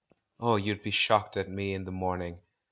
Oh, you'd be shocked at me in the morning!